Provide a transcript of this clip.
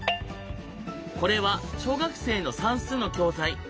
これは小学生の算数の教材。